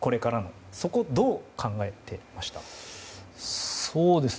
そこをどう考えていましたか？